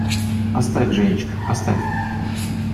Оставь, Женечка, оставь